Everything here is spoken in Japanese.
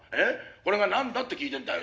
これがなんだって聞いてんだよ。